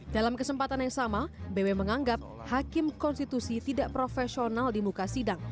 dalam kesempatan yang sama bw menganggap hakim konstitusi tidak profesional di muka sidang